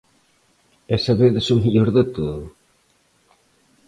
E sabedes o mellor de todo?